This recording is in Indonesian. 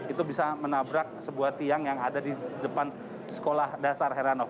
itu bisa menabrak sebuah tiang yang ada di depan sekolah dasar heranov